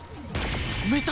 止めた！